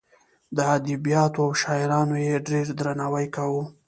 د ادبیاتو او شاعرانو یې ډېر درناوی کاوه.